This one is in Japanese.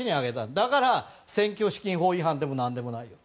だから選挙資金法違反でも何もない。